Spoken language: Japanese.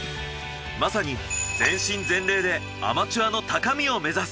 まさに全身全霊でアマチュアの高みを目指す。